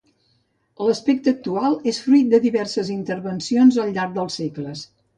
L'aspecte actual és fruit de diverses intervencions al llarg dels segles.